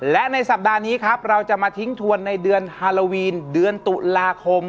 และในสัปดาห์นี้ครับเราจะมาทิ้งทวนในเดือนฮาโลวีนเดือนตุลาคม